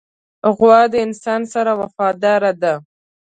غوا د انسان سره وفاداره ده.